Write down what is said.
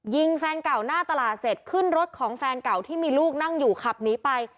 แฟนเก่าหน้าตลาดเสร็จขึ้นรถของแฟนเก่าที่มีลูกนั่งอยู่ขับหนีไป